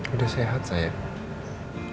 udah sehat sayang